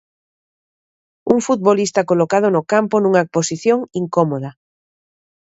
Un futbolista colocado no campo nunha posición incómoda.